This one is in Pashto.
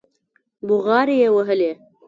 بوغارې يې وهلې.